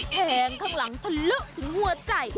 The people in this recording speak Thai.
แทงข้างหลังทะลุถึงหัวใจ